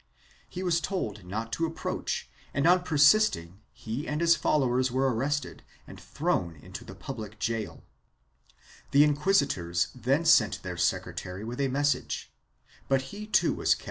He was told not to approach and on persisting he and his followers were arrested and thrown into the public gaol. The inquisitors then sent their secretary with a message, but he too was kept at a 1 MSS. of Bodleian Library, Arch.